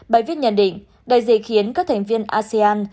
bài viết nhận định đại dịch khiến các thành viên asean